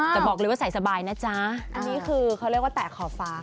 แต่บอกเลยว่าใส่สบายนะจ๊ะอันนี้คือเขาเรียกว่าแตะขอบฟ้า